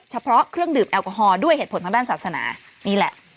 เครื่องดื่มแอลกอฮอลด้วยเหตุผลทางด้านศาสนานี่แหละ